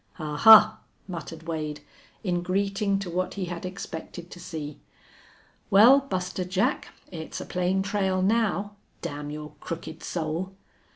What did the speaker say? "Ahuh!" muttered Wade, in greeting to what he had expected to see. "Well, Buster Jack, it's a plain trail now damn your crooked soul!"